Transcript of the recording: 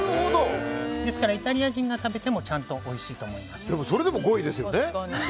ですから、イタリア人が食べてもそれでも５位ですよね。